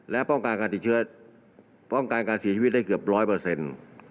และป้องกันการติดเชื้อป้องกันการเสียชีวิตได้เกือบร้อยเปอร์เซ็นต์